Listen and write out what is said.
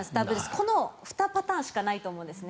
この２パターンしかないと思うんですね。